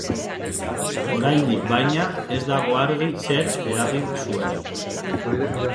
Oraindik, baina, ez dago argi zerk eragin zuen.